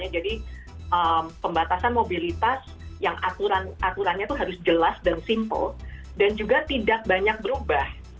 jadi pembatasan mobilitas yang aturannya itu harus jelas dan simple dan juga tidak banyak berubah